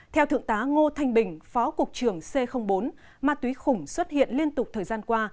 theo thượng tá ngô thanh bình phó cục trưởng c bốn ma túy khủng xuất hiện liên tục thời gian qua